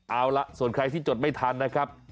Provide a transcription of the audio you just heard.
เอาล่ะส่วนใครที่จดไม่ทันนะครับ